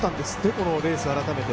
このレース改めて。